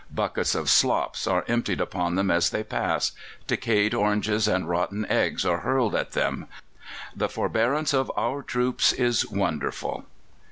Buckets of slops are emptied upon them as they pass, decayed oranges and rotten eggs are hurled at them. The forbearance of our troops is wonderful."